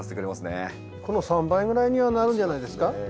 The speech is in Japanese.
この３倍ぐらいにはなるんじゃないですか。